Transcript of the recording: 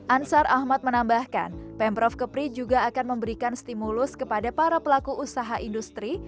ansar ahmad menambahkan pemprov kepri juga akan memberikan stimulus kepada para pelaku usaha industri